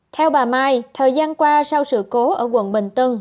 theo bà mai thời gian qua sau sự cố ở quận bình tân